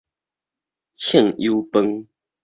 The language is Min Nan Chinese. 凊油飯